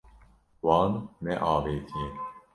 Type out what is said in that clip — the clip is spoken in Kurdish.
Wan neavêtiye.